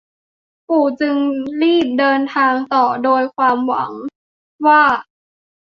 ปู่จึงได้รีบเดินทางต่อโดยความหวังว่า